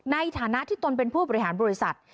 ในฐานะที่ตนเป็นผู้บริหารบริษัท